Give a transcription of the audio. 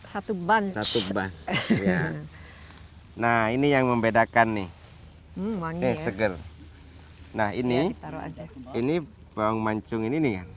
satu ban satu ban nah ini yang membedakan nih manis seger nah ini ini bawang mancung ini nih